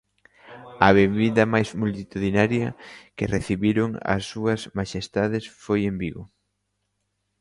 A benvida máis multitudinaria que recibiron as súas maxestades foi en Vigo.